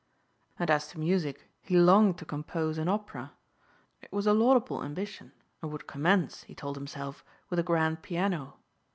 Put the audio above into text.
And as to music, he longed to compose an opera. It was a laudable ambition and would commence, he told himself, with a grand piano.